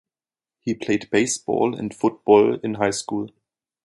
He played baseball and football in high school.